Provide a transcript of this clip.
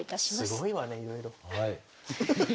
すごいわねいろいろ。